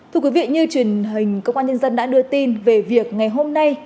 thưa quý vị như truyền hình công an nhân dân đã đưa tin về việc ngày hôm nay